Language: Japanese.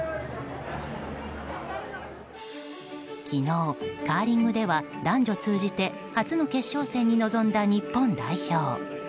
昨日、カーリングでは男女通じて初の決勝戦に臨んだ日本代表。